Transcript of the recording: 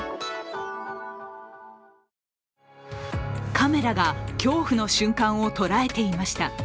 カメラが恐怖の瞬間を捉えていました。